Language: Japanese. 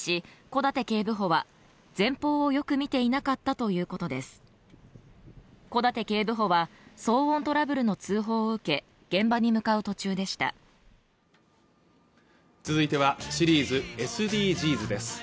小舘警部補は騒音トラブルの通報を受け現場に向かう途中でした続いてはシリーズ「ＳＤＧｓ」です